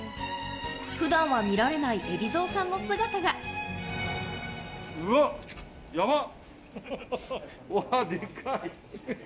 ふだんは見られない海老蔵さんのうわっ、やばっ！